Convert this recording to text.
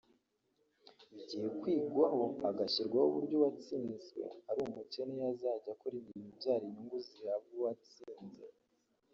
bigiye kwigwaho hagashyirwaho uburyo uwatsinzwe ari umukene yazajya akora imirimo ibyara inyungu zihabwa uwatsinze